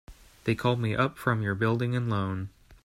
They called me up from your Building and Loan.